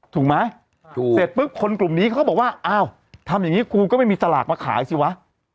ถูกไหมถูกเสร็จปุ๊บคนกลุ่มนี้เขาก็บอกว่าอ้าวทำอย่างนี้ครูก็ไม่มีสลากมาขายสิวะ